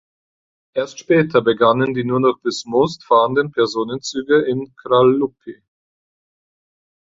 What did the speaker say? Erst später begannen die nun nur noch bis Most fahrenden Personenzüge in Kralupy.